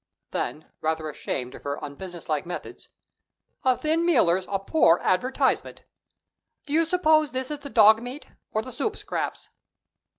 Then, rather ashamed of her unbusinesslike methods: "A thin mealer's a poor advertisement. Do you suppose this is the dog meat or the soup scraps?"